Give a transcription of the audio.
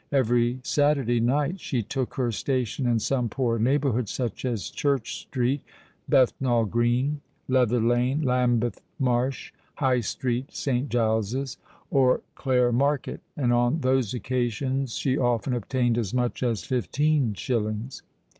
Every Saturday night she took her station in some poor neighbourhood—such as Church Street (Bethnal Green), Leather Lane, Lambeth Marsh, High Street (St. Giles's), or Clare Market; and on those occasions she often obtained as much as fifteen shillings.